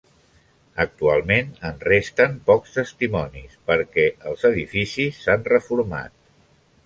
Actualment en resten pocs testimonis perquè els edificis s'han reformat.